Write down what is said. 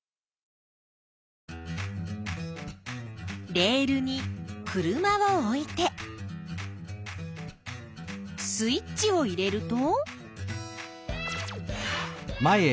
レールに車を置いてスイッチを入れると。